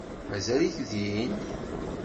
Mazal-ik din?